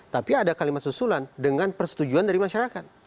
tapi ada kalimat susulan dengan persetujuan dari masyarakat